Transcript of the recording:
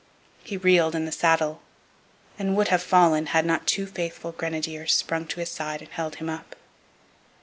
He reeled in the saddle, and would have fallen had not two faithful grenadiers sprung to his side and held him up.